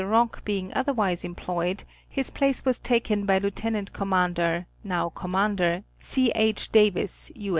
Rock being otherwise employed his place was taken by Lieut. Com. (now Commander) C. H. Davis, U.